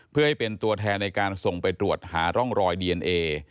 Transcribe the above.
เพื่อให้เป็นตัวแทนในการส่งไปตรวจหาร่องรอยดีเอนเอ